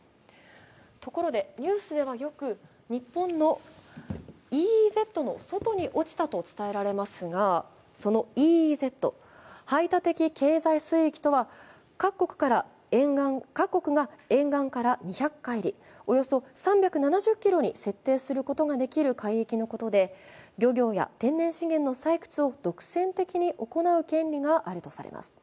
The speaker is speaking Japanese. ところで、ニューではよく日本のＥＥＺの外に落ちたと伝えられますがそのＥＥＺ＝排他的経済水域とは、各国が沿岸から２００海里、およそ３７０ｋｍに設定することができる海域のことで、漁業や天然資源の採掘を独占的に行う権利があるとされます。